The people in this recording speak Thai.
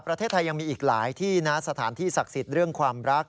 ประเทศไทยยังมีอีกหลายที่นะสถานที่ศักดิ์สิทธิ์เรื่องความรัก